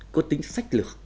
có tính sách lược